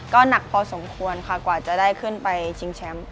ก็หนักพอสมควรค่ะกว่าจะได้ขึ้นไปชิงแชมป์